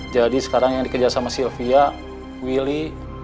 jadi sekarang yang dikerja sama sylvia willy